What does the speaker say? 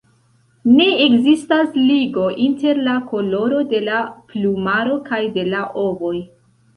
Ne ekzistas ligo inter la koloro de la plumaro kaj de la ovoj.